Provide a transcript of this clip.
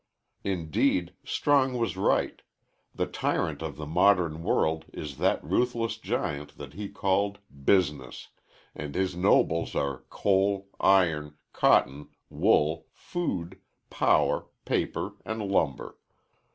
Indeed, Strong was right the tyrant of the modern world is that ruthless giant that he called "Business," and his nobles are coal, iron, cotton, wool, food, power, paper, and lumber.